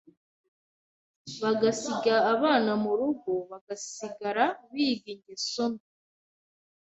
bagasiga abana murugo bagasigara biga ingeso mbi,